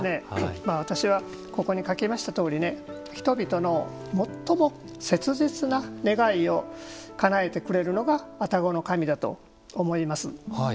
私はここに書きましたとおり人々の最も切実な願いをかなえてくれるのが愛宕の神だと思います。